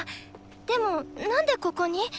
でもなんでここに？